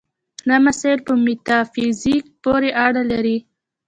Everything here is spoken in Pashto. دا مسایل په میتافیزیک پورې اړه لري.